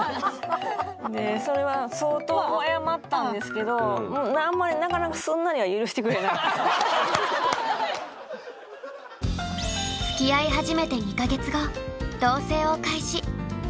それは相当謝ったんですけどあんまりなかなかつきあい始めて２か月後かわいい！